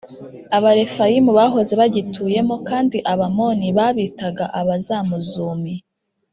abarefayimu bahoze bagituyemo, kandi abamoni babitagaabazamuzumi